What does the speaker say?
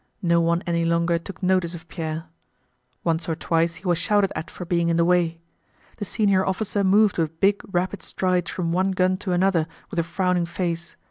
No one any longer took notice of Pierre. Once or twice he was shouted at for being in the way. The senior officer moved with big, rapid strides from one gun to another with a frowning face.